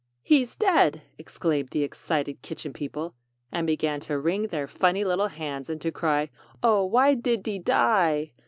"He's dead," exclaimed the excited Kitchen People, and began to wring their funny little hands, and to cry "Oh, why did de die?